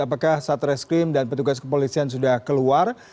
apakah satreskrim dan petugas kepolisian sudah keluar